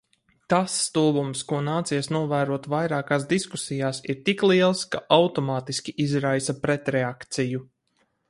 Tas stulbums, ko nācies novērot vairākās diskusijās, ir tik liels, ka automātiski izraisa pretreakciju.